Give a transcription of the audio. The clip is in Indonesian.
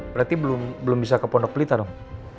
berarti belum bisa ke pondok pelita dong